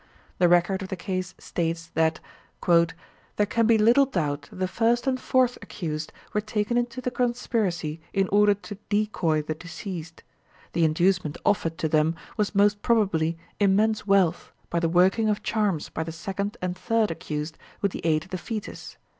The record of the case states that "there can be little doubt that the first and fourth accused were taken into the conspiracy in order to decoy the deceased. The inducement offered to them was most probably immense wealth by the working of charms by the second and third accused with the aid of the foetus.